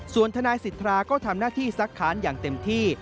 ส่วนธนายศิษภาก็ทำหน้าที่ศักรรณ์อย่างเต็มที่